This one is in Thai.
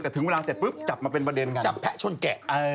แต่ถึงเวลาเสร็จปุ๊บจับมาเป็นประเด็นกันจับแพะชนแกะ